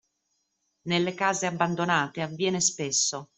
Nelle case abbandonate avviene spesso.